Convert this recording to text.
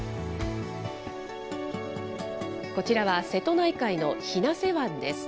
こちらは瀬戸内海の日生湾です。